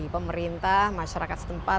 pemerintah masyarakat setempat